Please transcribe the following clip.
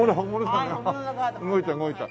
あっ動いた動いた。